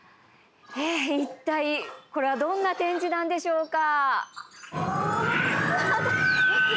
いったい、これはどんな展示なんでしょうか？